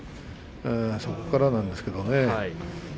そこからなんですけどね